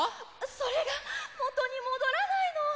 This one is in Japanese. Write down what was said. それがもとにもどらないの。